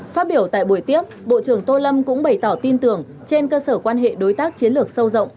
phát biểu tại buổi tiếp bộ trưởng tô lâm cũng bày tỏ tin tưởng trên cơ sở quan hệ đối tác chiến lược sâu rộng